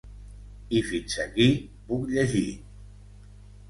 I fins aquí puc llegir.